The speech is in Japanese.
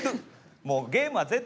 もうゲームは絶対アカン。